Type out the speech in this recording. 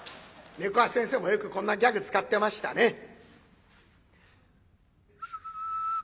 猫八先生もよくこんなギャグ使ってましたね。